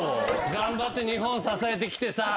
頑張って日本支えてきてさ。